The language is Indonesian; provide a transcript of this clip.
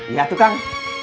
iya tuh kang